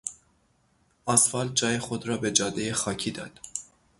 اسفالت جای خود را به جادهی خاکی داد.